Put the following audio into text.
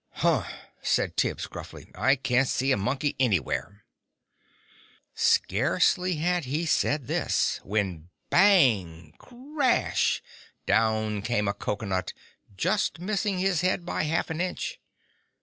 "Hum!" said Tibbs gruffly. "I can't see a monkey anywhere!" Scarcely had he said this, when Bang! Crash! Down came a cocoanut, just missing his head by half an inch!